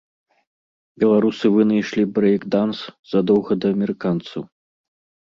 Беларусы вынайшлі брэйк-данс задоўга да амерыканцаў.